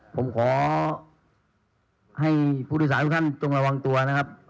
ผมขอให้พุทธศาสตร์ทุกท่านต้องระวังตัวนะครับ